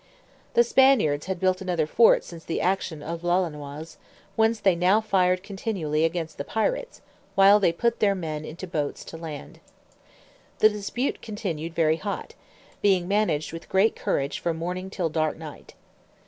The Spaniards had built another fort since the action of Lolonois, whence they now fired continually against the pirates, while they put their men into boats to land. The dispute continued very hot, being managed with great courage from morning till dark night.